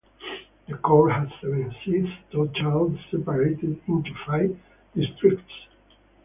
The court has seven seats total separated into five districts.